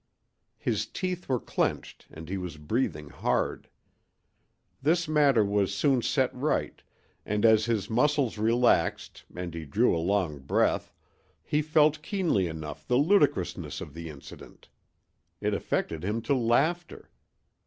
His teeth were clenched and he was breathing hard. This matter was soon set right, and as his muscles relaxed and he drew a long breath he felt keenly enough the ludicrousness of the incident. It affected him to laughter.